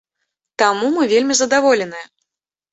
Таму мы вельмі задаволеныя.